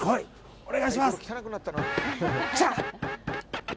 お願いします！